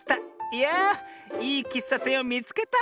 いやあいいきっさてんをみつけた。